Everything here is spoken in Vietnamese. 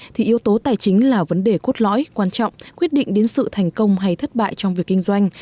thì yếu tố tài chính là vấn đề cốt lõi quan trọng quyết định đến sự thành công hay thất bại trong việc kinh doanh